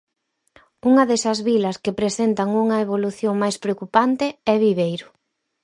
Unha desas vilas que presentan unha evolución máis preocupante é Viveiro.